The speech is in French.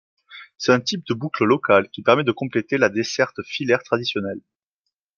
C'est un type de boucle locale qui permet de compléter la desserte filaire traditionnelle.